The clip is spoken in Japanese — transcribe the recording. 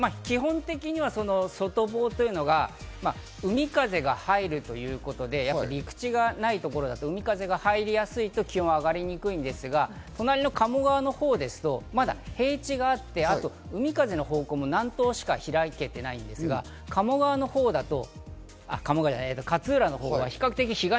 基本的には外房というのは海風が入るということで、陸地がないところだと、海風が入りやすいと気温が上がりにくいんですが、隣の鴨川のほうですと、まだ平地があって、海風の方向も南東しか開けてないんですが、鴨川のほうだと。